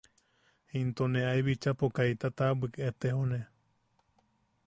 Into ne ae bichapo kaita taʼabwik etejone.